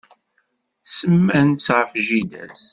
Semman-tt ɣef jida-s.